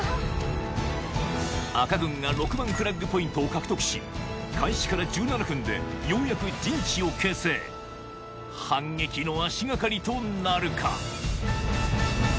赤軍が６番フラッグポイントを獲得し開始から１７分でようやく陣地を形成反撃の足掛かりとなるか？